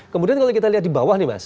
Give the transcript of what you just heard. kemudian kalau kita lihat di bawah nih mas